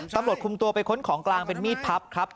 ตำรวจคุมตัวไปค้นของกลางเป็นมีดพับครับ